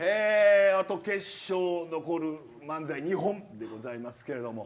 あと決勝、残る漫才２本でございますけど。